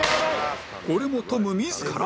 これもトム自ら